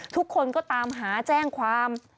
ทุกคนก็ตามหาแจ้งความ